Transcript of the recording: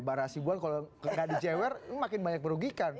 bara sibuan kalau tidak dijewer makin banyak merugikan